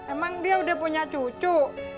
emang dia udah punya cucu